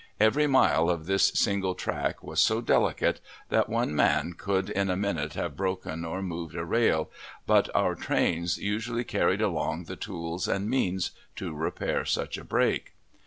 Every mile of this "single track" was so delicate, that one man could in a minute have broken or moved a rail, but our trains usually carried along the tools and means to repair such a break.